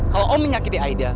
kalau om menyakiti aida